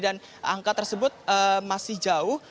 dan angka tersebut masih jauh